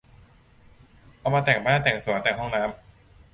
เอามาแต่งบ้าน แต่งสวน แต่งห้องน้ำ